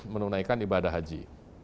menunaikan ibadah haji